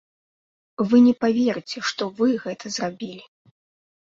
Вы не паверыце, што вы гэта зрабілі!